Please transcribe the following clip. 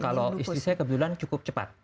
kalau istri saya kebetulan cukup cepat